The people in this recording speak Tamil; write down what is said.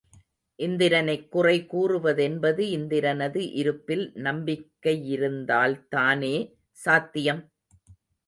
இந்திரனைக் குறை கூறுவதென்பது இந்திரனது இருப்பில் நம்பிக்கையிருந்தால்தானே சாத்தியம்?